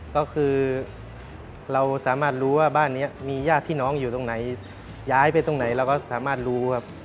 ก็คือเราสามารถรู้ว่าบ้านนี้มีญาติพี่น้องอยู่ตรงไหนย้ายไปตรงไหนเราก็สามารถรู้ครับ